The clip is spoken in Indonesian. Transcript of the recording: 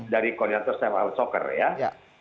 dari koreator sma soccer ya